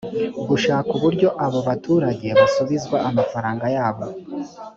gushaka uburyo abo baturage basubizwa amafaranga yabo